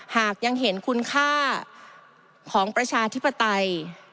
หากยังเห็นคุณค่าของประชาธิปไตย